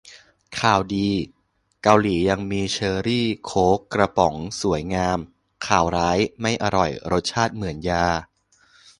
ข่าวดี เกาหลียังมีเชอร์รี่โค้ก กระป๋องสวยงาม ข่าวร้าย ไม่อร่อย รสชาติเหมือนยา